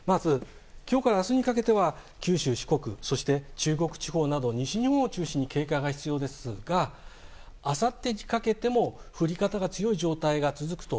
今日から明日にかけては九州、四国、中国地方など西日本を中心に警戒が必要ですがあさってにかけても降り方が強い状態が続くと。